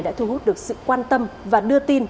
đã thu hút được sự quan tâm và đưa tin